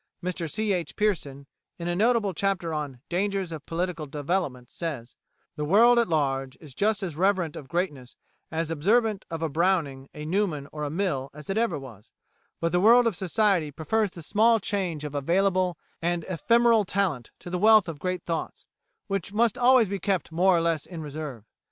Mr C. H. Pearson, in a notable chapter on "Dangers of Political Development," says: "The world at large is just as reverent of greatness, as observant of a Browning, a Newman, or a Mill, as it ever was; but the world of Society prefers the small change of available and ephemeral talent to the wealth of great thoughts, which must always be kept more or less in reserve.